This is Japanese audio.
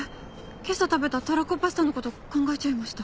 今朝食べたたらこパスタの事考えちゃいました。